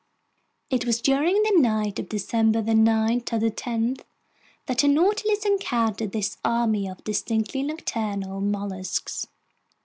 It was during the night of December 9 10 that the Nautilus encountered this army of distinctly nocturnal mollusks.